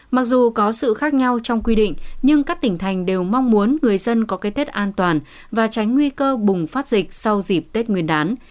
mặc dù có sự khác nhau trong quy định nhưng các tỉnh thành đều mong muốn người dân có cái tết an toàn và tránh nguy cơ bùng phát dịch sau dịp tết nguyên đán